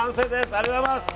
ありがとうございます！